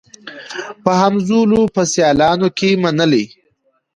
په همزولو په سیالانو کي منلې